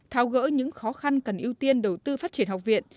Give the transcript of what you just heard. tháo gỡ những khó khăn cần ưu tiên đầu tư phát triển học viện